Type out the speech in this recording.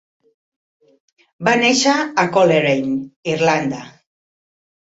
Va néixer a Coleraine, Irlanda.